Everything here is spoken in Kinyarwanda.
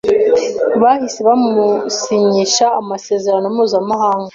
Bahise bamusinyisha amasezerano mpuzamahanga